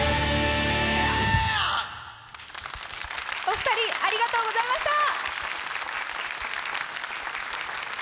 お二人、ありがとうございました。